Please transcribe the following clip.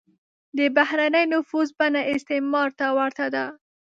د بهرنی نفوذ بڼه استعمار ته ورته ده.